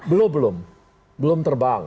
belum belum belum terbang